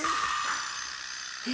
え？